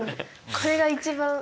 これが一番。